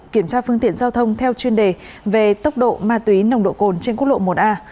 kiểm tra phương tiện giao thông theo chuyên đề về tốc độ ma túy nồng độ cồn trên quốc lộ một a